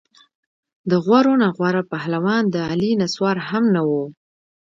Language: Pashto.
د غورو نه غوره پهلوان د علي نسوار هم نه وو.